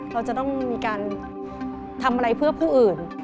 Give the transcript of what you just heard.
เราจะต้องมีการทำอะไรเพื่อผู้อื่น